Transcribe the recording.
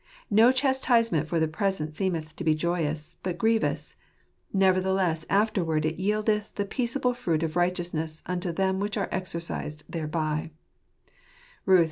"No chastisement for the present seemeth to be joyous, but grievous : nevertheless afterward it yieldeth the peaceable fruit of righteousness unto them ■which are exercised thereby" (Ruth iv.